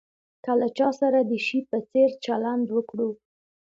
که له چا سره د شي په څېر چلند وکړو.